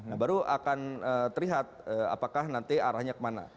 nah baru akan terlihat apakah nanti arahnya kemana